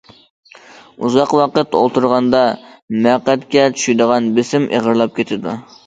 ئۇزاق ۋاقىت ئولتۇرغاندا مەقئەتكە چۈشىدىغان بىسىم ئېغىرلاپ كېتىدۇ.